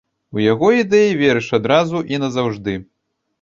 У яго ідэі верыш адразу і назаўжды.